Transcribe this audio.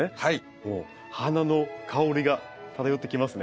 もう花の香りが漂ってきますね。